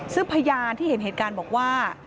ซึ่งพยานที่เห็นเหตุการณ์บอกว่า